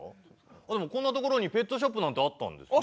あっでもこんな所にペットショップなんてあったんですね。